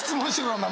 お前